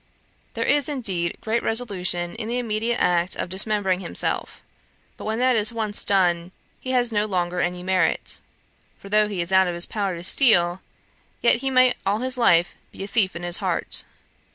There is, indeed, great resolution in the immediate act of dismembering himself; but when that is once done, he has no longer any merit: for though it is out of his power to steal, yet he may all his life be a thief in his heart.